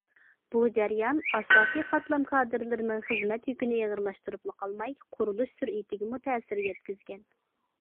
بۇ جەريان ئاساسىي قاتلام كادىرلىرىنىڭ خىزمەت يۈكىنى ئېغىرلاشتۇرۇپلا قالماي، قۇرۇلۇش سۈرئىتىگىمۇ تەسىر يەتكۈزگەن.